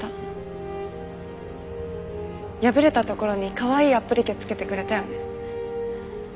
破れたところにかわいいアップリケ付けてくれたよね。